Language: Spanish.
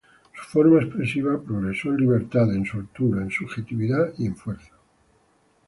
Su forma expresiva progresó en libertad, en soltura, en subjetividad y en fuerza.